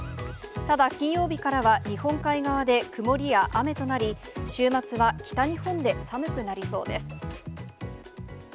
ただ、金曜日からは日本海側で曇りや雨となり、週末は北日本で寒くなりそうです。